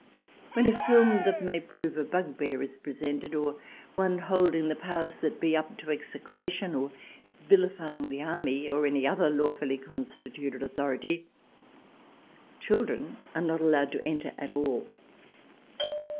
When a film that may prove a bugbear is presented, or one holding the powers that be up to execration or vilifying the Army, and any other lawfully con stituted authority, children are not allowed to enter at all.